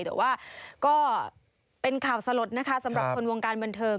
แต่ว่าก็เป็นข่าวสลดนะคะสำหรับคนวงการบันเทิง